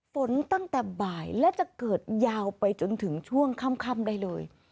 ฝนตั้งแต่บ่ายและจะเกิดยาวไปจนถึงช่วงค่ำได้เลย